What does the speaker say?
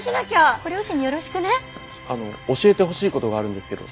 あの教えてほしいことがあるんですけど。